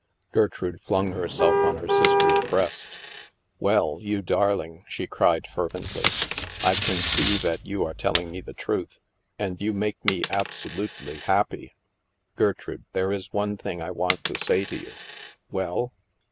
Gertrude flung herself on her sister's breast. "Well, you darling," she cried fervently. "I can see that you are telling me the truth, and you make me absolutely happy." " Gertrude, there is one thing I want to say to you." "Well?"